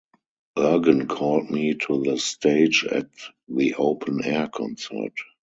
Ergen called me to the stage at the Open Air concert.